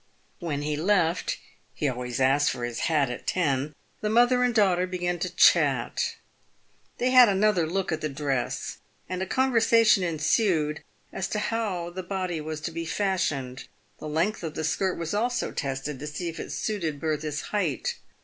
"When he left — he always asked for his hat at ten — the mother and daughter began to chat. They had another look at the dress, and a conversation ensued as to how the body was to be fashioned. The length of the skirt was also tested to see if it suited Bertha's height.